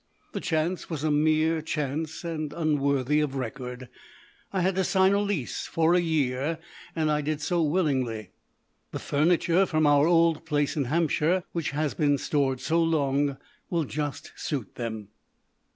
The chance was a mere chance, and unworthy of record. I had to sign a lease for a year, and I did so willingly. The furniture from our old place in Hampshire, which has been stored so long, will just suit them.